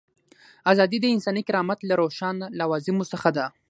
ازادي د انساني کرامت له روښانه لوازمو څخه ده.